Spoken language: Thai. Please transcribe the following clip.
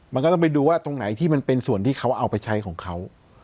มันก็ต้องไปดูว่าตรงไหนที่มันเป็นส่วนที่เขาเอาไปใช้ของเขา